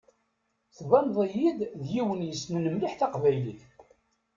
Tbaneḍ-iyi-d d yiwen yessnen mliḥ taqbaylit.